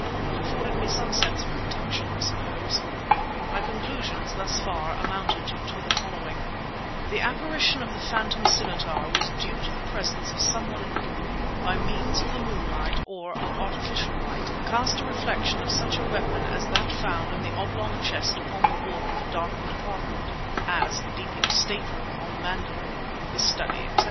It afforded me some sense of protection, I suppose. My conclusions, thus far, amounted to the following— The apparition of the phantom scimitar was due to the presence of someone who, by means of the moonlight, or of artificial light, cast a reflection of such a weapon as that found in the oblong chest upon the wall of a darkened apartment—as, Deeping's stateroom on the Mandalay, his study, etc.